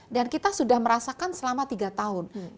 dan kita sudah merasakan selama tiga tahun